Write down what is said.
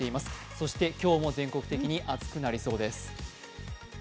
そして今日も全国的に暑くなりそうです。